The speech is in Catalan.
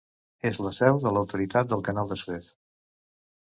És la seu de l'Autoritat del Canal de Suez.